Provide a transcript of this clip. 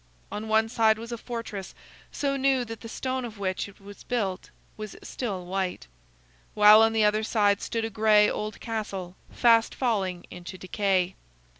On one side was a fortress, so new that the stone of which it was built was still white; while on the other side stood a gray old castle, fast falling into decay.